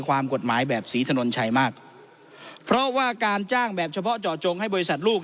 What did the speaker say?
ความกฎหมายแบบศรีถนนชัยมากเพราะว่าการจ้างแบบเฉพาะเจาะจงให้บริษัทลูก